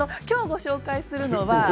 きょうご紹介するのは。